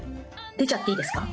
出ちゃっていいですか？